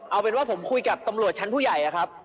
เอาเป็นว่าผมคุยกับตำรวจชั้นผู้ใหญ่ครับ